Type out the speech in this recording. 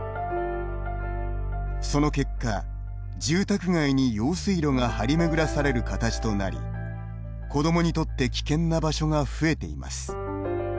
その結果、住宅街に用水路が張り巡らされる形となり子どもにとって危険な場所が増えています。